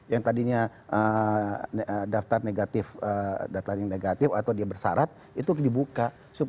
yang tadinya daftar negatif atau dia bersarat itu dibuka